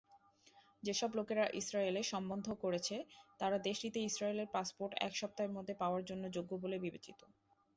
যেসব লোকেরা ইসরায়েলে সম্বন্ধ করেছেন, তারা দেশটিতে ইসরায়েলের পাসপোর্ট এক সপ্তাহের মধ্যে পাওয়ার জন্য যোগ্য বলে বিবেচিত।